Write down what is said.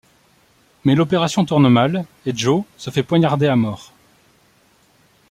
Mais l'opération tourne mal et Joe se fait poignarder à mort.